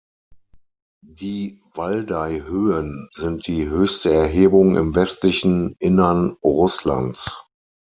Die Waldaihöhen sind die höchste Erhebung im westlichen Innern Russlands.